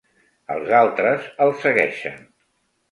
Els altres el segueixen.